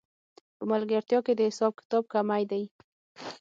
په ملګرتیا کې د حساب کتاب کمی دی